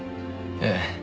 ええ。